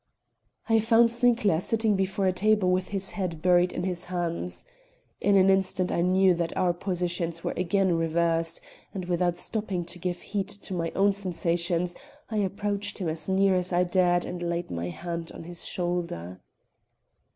I found Sinclair sitting before a table with his head buried in his hands. In an instant I knew that our positions were again reversed and, without stopping to give heed to my own sensations, I approached him as near as I dared and laid my hand on his shoulder.